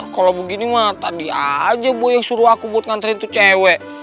kalau begini mah tadi aja bu yang suruh aku buat ngantri itu cewek